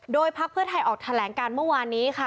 โดยพักเพื่อไทยออกแถลงการเมื่อวานนี้ค่ะ